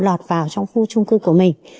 lọt vào trong khu trung cư của mình